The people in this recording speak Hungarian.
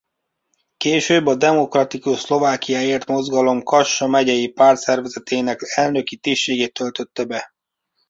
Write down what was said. Később a Demokratikus Szlovákiáért Mozgalom Kassa-megyei pártszervezetének elnöki tisztségét töltötte be.